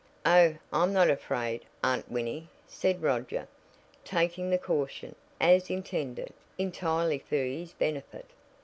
"Oh, I'm not afraid, Aunt Winnie," said Roger, taking the caution, as intended, entirely for his benefit.